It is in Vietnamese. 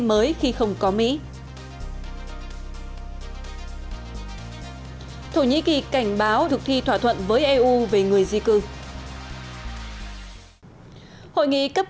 mới khi không có mỹ thổ nhĩ kỳ cảnh báo thực thi thỏa thuận với eu về người di cư hội nghị cấp